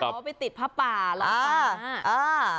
พอไปติดภาพ่าแล้วค่ะอ่า